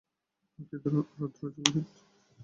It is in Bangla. আহ কি রৌদ্রজ্জল দিন!